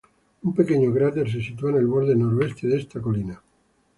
Un pequeño cráter se sitúa en el borde noreste de esta colina.